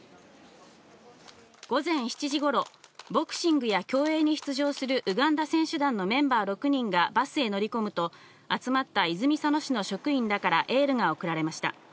午前７時頃、ボクシングや競泳に出場するウガンダ選手団のメンバー６人がバスへ乗り込むと集まった泉佐野市の職員らからエールが送られました。